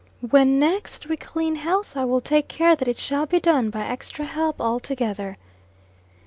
"When next we clean house, I will take care that it shall be done by extra help altogether."